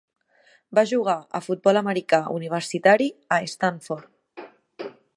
Va jugar a futbol americà universitari a Stanford.